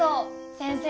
先生